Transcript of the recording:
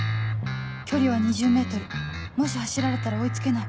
距離は ２０ｍ もし走られたら追い付けない